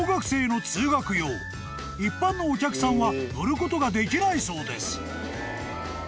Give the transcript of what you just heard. ［一般のお客さんは乗ることができないそうです］